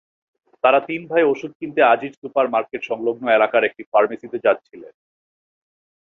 তাঁরা তিন ভাই ওষুধ কিনতে আজিজ সুপার মার্কেটসংলগ্ন এলাকার একটি ফার্মেসিতে যাচ্ছিলেন।